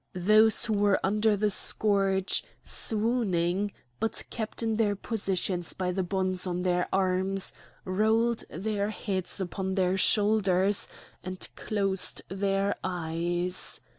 Those who were under the scourge, swooning, but kept in their positions by the bonds on their arms, rolled their heads upon their shoulders and closed their eyes.